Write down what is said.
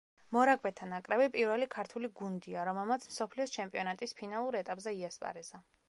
მორაგბეთა ნაკრები პირველი ქართული გუნდია, რომელმაც მსოფლიოს ჩემპიონატის ფინალურ ეტაპზე იასპარეზა.